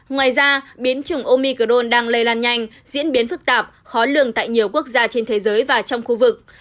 ngoài ra biến chủng omicron đang lây lan nhanh diễn biến phức tạp khó lường tại nhiều quốc gia trên thế giới và trong khu vực